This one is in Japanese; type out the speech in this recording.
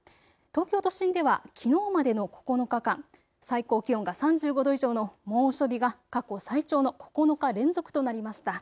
東京都心ではきのうまでの９日間、最高気温が３５度以上の猛暑日が過去最長の９日連続となりました。